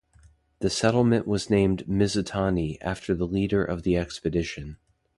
The settlement was named "Mizutani" after the leader of the expedition.